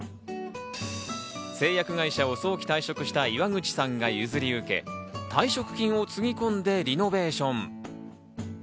製薬会社を早期退職した岩口さんが譲り受け、退職金をつぎ込んでリノベーション。